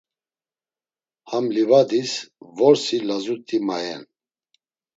Ham livadis vorsi lazut̆i mayen.